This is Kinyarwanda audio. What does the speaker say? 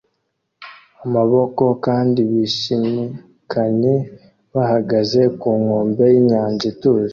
amaboko kandi bishimikanye bahagaze ku nkombe y'inyanja ituje